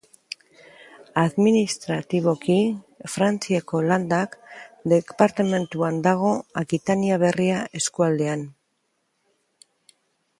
Administratiboki Frantziako Landak departamenduan dago, Akitania Berria eskualdean.